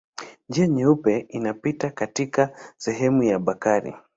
Njia Nyeupe inapita katika sehemu ya Bakari.